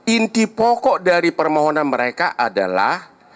inti pokok dari permohonan mereka adalah